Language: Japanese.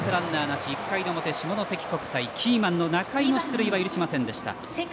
なし１回の表、下関国際キーマンの仲井の出塁は許しませんでした。